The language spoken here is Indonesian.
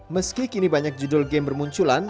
meski kini banyak judul game bermunculan